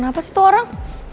kenapa sih itu orang